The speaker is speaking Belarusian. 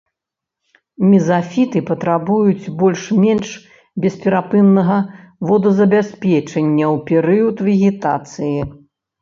Мезафіты патрабуюць больш-менш бесперапыннага водазабеспячэння ў перыяд вегетацыі.